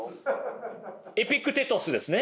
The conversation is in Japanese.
エピクテトスですね！